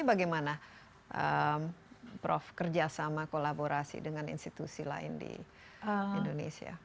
bagaimana prof kerjasama kolaborasi dengan institusi lain di indonesia